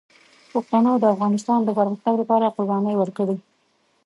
پښتنو د افغانستان د پرمختګ لپاره قربانۍ ورکړي.